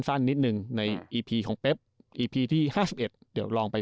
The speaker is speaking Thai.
สั้นนิดหนึ่งในอีพีของเป๊บอีพีที่ห้าสิบเอ็ดเดี๋ยวลองไป